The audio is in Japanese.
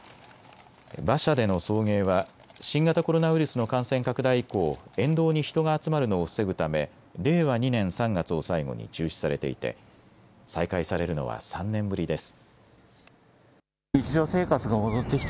馬車での送迎は新型コロナウイルスの感染拡大以降、沿道に人が集まるのを防ぐため令和２年３月を最後に中止されていて再開されるのは３年ぶりです。